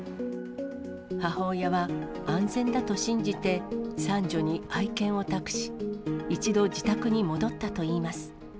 母親は、安全だと信じて三女に愛犬を託し、一度自宅に戻ったといいます。